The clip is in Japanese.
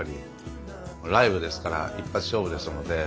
ライブですから一発勝負ですので。